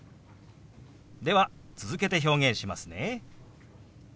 では続けて表現しますね。